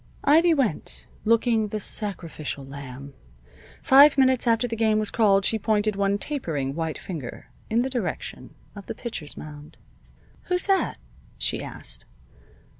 Ivy went, looking the sacrificial lamb. Five minutes after the game was called she pointed one tapering white finger in the direction of the pitcher's mound. "Who's that?" she asked.